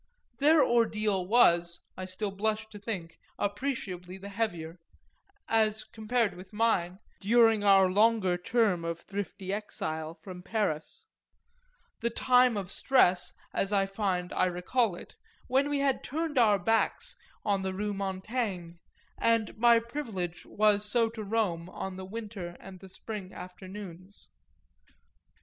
Their ordeal was, I still blush to think, appreciably the heavier, as compared with mine, during our longer term of thrifty exile from Paris the time of stress, as I find I recall it, when we had turned our backs on the Rue Montaigne and my privilege was so to roam on the winter and the spring afternoons.